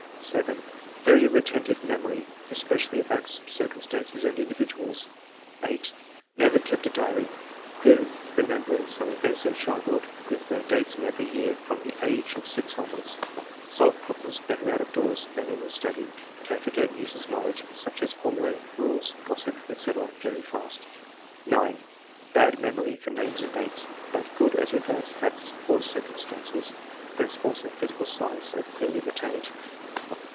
7. " Very retentive memory, especially of acts, circumstances, and individuals." 8. " Never kept a diary ; clear remembrance of events in childhood with their dates in every year from the age of six onwards. Solve prob lems better out of doors than in the study. Can forget useless knowledge such as formulae, rules, gossip, &c., very fast.'' 9. *' Bad memory for names and dates, but good as regards facts or circumstances; princi ples in physical science are clearly retained.